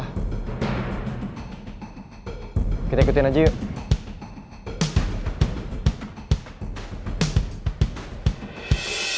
ya udah terus kita ikutin aja yuk